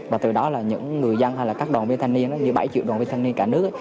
và từ đó là những người dân hay là các đoàn viên thanh niên như bảy triệu đoàn viên thanh niên cả nước